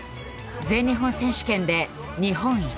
全日本選手権で日本一。